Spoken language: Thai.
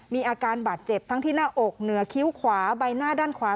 มีอาการบาดเจ็บทั้งที่หน้าอกเหนือคิ้วขวาใบหน้าด้านขวา